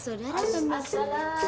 saudara pemaks usar